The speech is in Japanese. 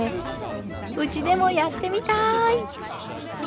うちでもやってみたい！